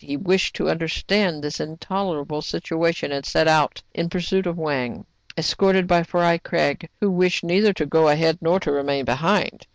He wished to under stand his intolerable situation, and set out in 144 TRIBULATIONS OF A CHINAMAN. pursuit of Wang, escorted by Fry Craig, who wished neither to go ahead nor to remain behind.